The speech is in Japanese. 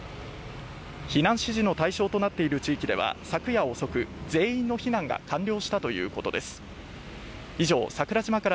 避難指示の対象となっている地域では昨夜遅く全員の避難が完了したということです。